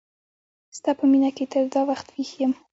ستا په مینه کی تر دا وخت ویښ یم